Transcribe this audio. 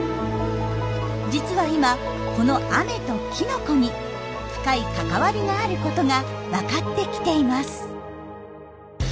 実は今この雨とキノコに深い関わりがあることがわかってきています。